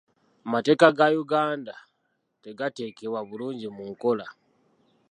Amateeka ga Uganda tegateekebwa bulungi mu nkola.